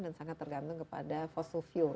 dan sangat tergantung kepada fossil fuel